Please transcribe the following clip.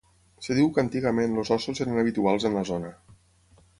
Es diu que antigament els ossos eren habituals en la zona.